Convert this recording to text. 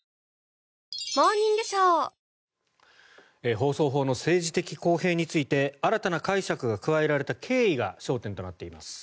放送法の政治的公平について新たな解釈が加えられた経緯が焦点となっています。